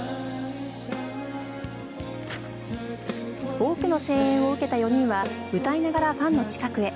多くの声援を受けた４人は歌いながらファンの近くへ。